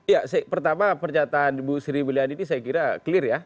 ya pertama pernyataan bu sriwilyani ini saya kira clear ya